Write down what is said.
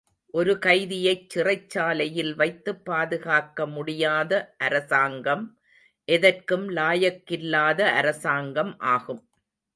ஒரு கைதியைச் சிறைச்சாலையில் வைத்துப் பாதுகாக்க முடியாத அரசாங்கம் எதற்கும் லாயக்கில்லாத அரசாங்கம் ஆகும்.